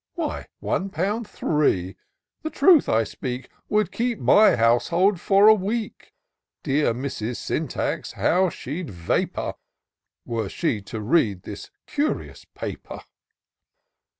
Why, one pound three, the truth I speak. Would keep my household for a week. Dear Mrs. Syntax, how she'd vapour, Were she to read this curious paper!"